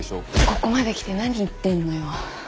ここまできて何言ってんのよ。